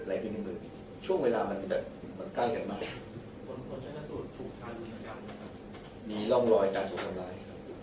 แล้วก็เมื่อกี้เราเปิดภาพศพดูเราก็ดูแล้วมันมีร่องร้อยกับจุดท้องร้าย